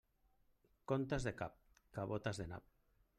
Comptes de cap, cabotes de nap.